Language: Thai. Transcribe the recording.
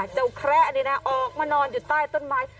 แคระนี่นะออกมานอนอยู่ใต้ต้นไม้